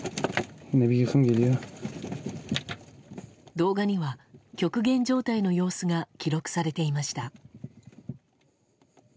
動画には極限状態の様子が記録されていました。